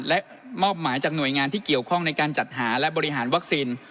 และมอบหมายจากหน่วยงานที่เกี่ยวข้องในการจัดหาและบริหารวัคซีน